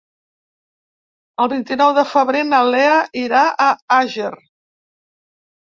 El vint-i-nou de febrer na Lea irà a Àger.